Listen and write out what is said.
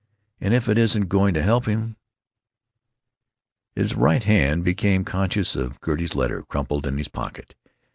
And if it isn't going to help him——" His right hand became conscious of Gertie's letter crumpled in his pocket.